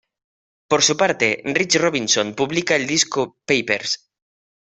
Por su parte, Rich Robinson publica el disco "Papers".